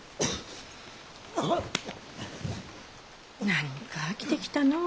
何か飽きてきたのぅ。